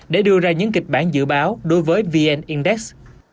để đưa ra những kịch bản dự báo đối với vn index